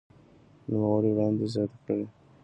نوموړي وړاندې زياته کړې